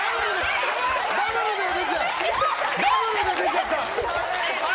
ダブルで出ちゃった！